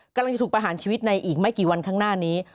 กำลังจะถูกประหารชีวิตในอีกไม่กี่วันข้างหน้านี้